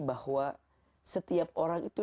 bahwa setiap orang itu